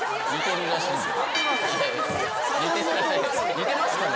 似てますかね？